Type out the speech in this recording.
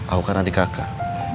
aku kan adik kakak